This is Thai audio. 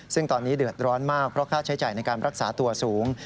ซึ่งตอนนี้เดือดร้อนมากเพราะค่าใช้จ่ายในการรักษาตัวสูง